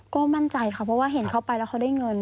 ก็มั่นใจค่ะเพราะว่าเห็นเขาไปแล้วเขาได้เงิน